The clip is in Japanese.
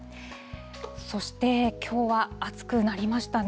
そしてきょうは暑くなりましたね。